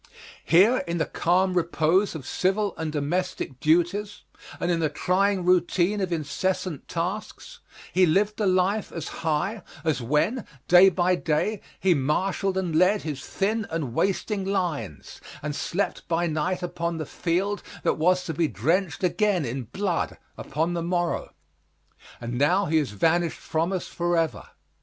Here in the calm repose of civil and domestic duties, and in the trying routine of incessant tasks, he lived a life as high as when, day by day, he marshalled and led his thin and wasting lines, and slept by night upon the field that was to be drenched again in blood upon the morrow. And now he has vanished from us forever.